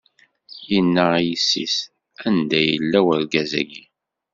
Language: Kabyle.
Inna i yessi-s: Anda yella urgaz-agi?